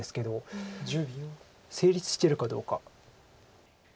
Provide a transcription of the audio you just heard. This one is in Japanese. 成立してるかどうか。